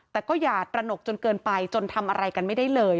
แต่ก็อย่าตระหนกจนเกินไปจนทำอะไรกันไม่ได้เลย